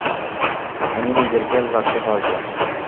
আমি নিজের খেয়াল রাখতে পারবো।